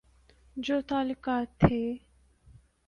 جو تعلقات تھے۔